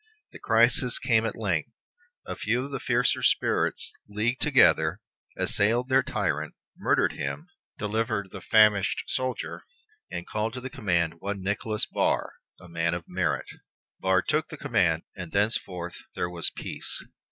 The crisis came at length. A few of the fiercer spirits leagued together, assailed their tyrant, murdered him, delivered the famished soldier, and called to the command one Nicolas Barre, a man of merit. Barre took the command, and thenceforth there was peace.